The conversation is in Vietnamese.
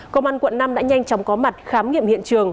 công an quận năm đã nhanh chóng có mặt khám nghiệm hiện trường